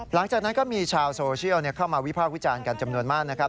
หลังจากนั้นก็มีชาวโซเชียลเข้ามาวิพากษ์วิจารณ์กันจำนวนมากนะครับ